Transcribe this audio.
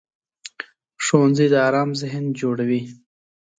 ښوونځی د ارام ذهن جوړوي